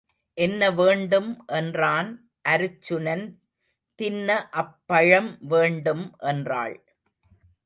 என்ன வேண்டும் என்றான் அருச்சுனன் தின்ன அப்பழம் வேண்டும் என்றாள்.